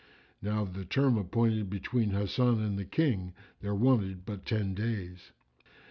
(Now of the term appointed between Hasan and the King there wanted but ten days.)